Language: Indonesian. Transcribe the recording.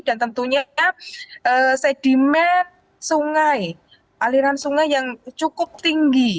dan tentunya sedimen sungai aliran sungai yang cukup tinggi